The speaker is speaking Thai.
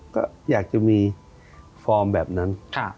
ก็อยากจะมีฟอร์มแบบนั้น